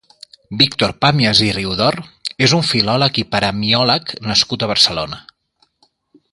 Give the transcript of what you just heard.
Víctor Pàmies i Riudor és un filòleg i paremiòleg nascut a Barcelona.